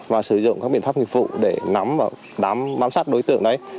và sử dụng các biện pháp nghiệp vụ để nắm và bám sát đối tượng đấy